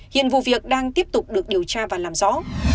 hiện vụ việc đang tiếp tục được điều tra và làm rõ